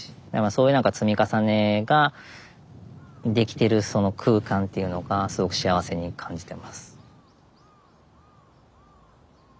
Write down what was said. そういう積み重ねができてるその空間っていうのがすごく幸せに感じてます。